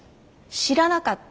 知らなかった？